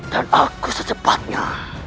dan aku secepatnya